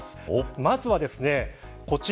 まずはこちら。